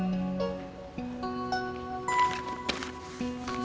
uangnya udah ada